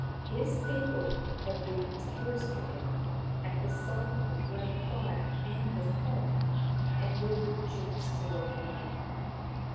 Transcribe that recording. His people had been terror stricken at sight of the great fire and the flood, and were rejoiced to welcome him.